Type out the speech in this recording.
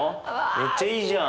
めっちゃいいじゃん！